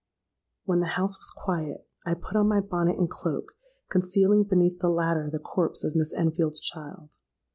"When the house was quiet, I put on my bonnet and cloak, concealing beneath the latter the corpse of Miss Enfield's child.